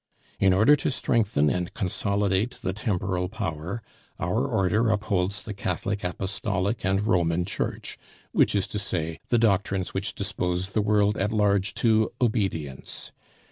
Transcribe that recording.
In order to strengthen and consolidate the temporal power, our Order upholds the Catholic Apostolic and Roman Church, which is to say, the doctrines which dispose the world at large to obedience.